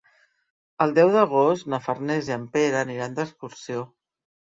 El deu d'agost na Farners i en Pere aniran d'excursió.